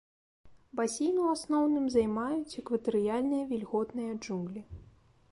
Басейн у асноўным займаюць экватарыяльныя вільготныя джунглі.